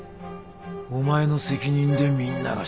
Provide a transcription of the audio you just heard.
お前の責任でみんなが死ぬ。